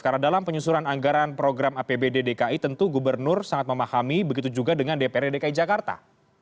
karena dalam penyusuran anggaran program apbd dki tentu gubernur sangat memahami begitu juga dengan dprd dki jakarta